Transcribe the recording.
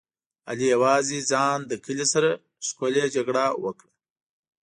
علي یوازې ځان له کلي سره ښکلې جګړه وکړه.